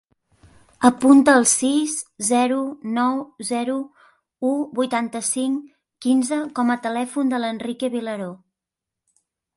Apunta el sis, zero, nou, zero, u, vuitanta-cinc, quinze com a telèfon de l'Enrique Vilaro.